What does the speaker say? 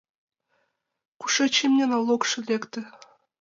Кушеч имне налогшо лекте?